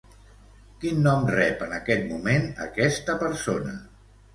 Quin nom rep en aquest moment aquesta persona?